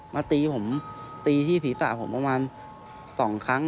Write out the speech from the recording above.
มาตีผมตีที่ศีรษะผมประมาณ๒ครั้ง